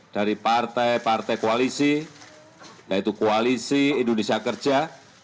dari partai partai koalisi yaitu koalisi indonesia kerja